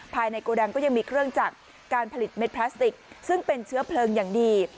โกดังก็ยังมีเครื่องจักรการผลิตเม็ดพลาสติกซึ่งเป็นเชื้อเพลิงอย่างดี